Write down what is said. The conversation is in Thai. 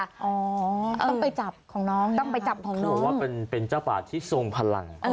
อ๋อต้องไปจับของน้องนี้ครับ